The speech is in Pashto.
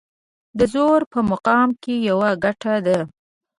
د زور په مقام کې يوه ګټه ده.